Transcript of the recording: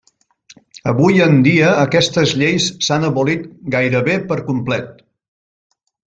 Avui en dia aquestes lleis s'han abolit gairebé per complet.